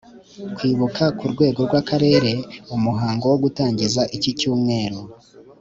Kwubuka Ku rwego rw Akarere umuhango wo gutangiza iki cyumweru